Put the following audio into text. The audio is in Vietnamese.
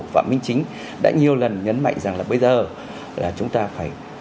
phạm minh chính đã nhiều lần nhấn mạnh rằng là bây giờ là chúng ta phải